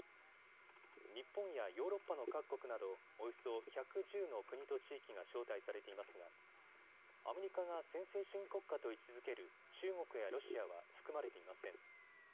日本やヨーロッパの各国などおよそ１１０の国と地域が招待されていますがアメリカが専制主義国家と位置づける中国やロシアは含まれていません。